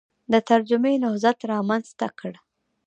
د ترجمې نهضت رامنځته کړ